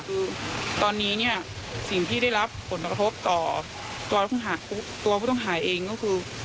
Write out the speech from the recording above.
คือตอนนี้เนี่ยสิ่งที่ได้รับผลกระทบต่อตัวผู้ต้องหาเองก็คือ